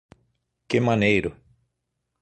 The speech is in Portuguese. Que maneiro!